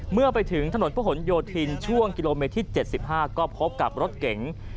เมื่อไปถึงถนนพระหลโยธินช่วงกิโลเมตรที่๗๕ก็พบกับรถเก๋ง